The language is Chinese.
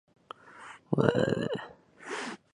本区议席一直为保守党控制。